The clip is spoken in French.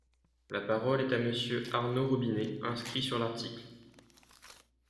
La parole est à Monsieur Arnaud Robinet, inscrit sur l’article.